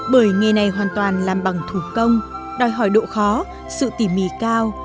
bởi nghề này hoàn toàn làm bằng thủ công đòi hỏi độ khó sự tỉ mỉ cao